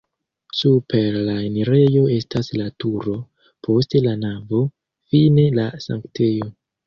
Super la enirejo estas la turo, poste la navo, fine la sanktejo.